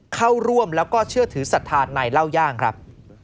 เข้าร่วมแล้วก็เชื่อถือศรัทธาในเล่าย่างครับ